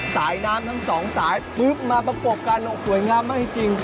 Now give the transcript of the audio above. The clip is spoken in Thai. สายน้ำทั้งสองสายปุ๊บมาประกบกันสวยงามมากจริง